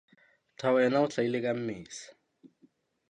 Thabo yena o hlahile ka Mmesa.